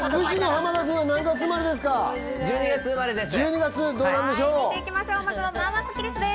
１２月生まれです。